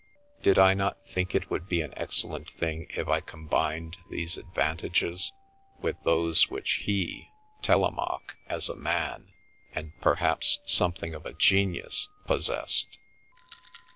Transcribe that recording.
Did I not think it would be an excellent thing if I combined these advantages with those which he, Telemaque, as a man, and perhaps something of a genius, possessed?